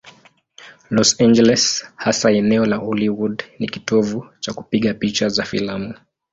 Los Angeles, hasa eneo la Hollywood, ni kitovu cha kupiga picha za filamu.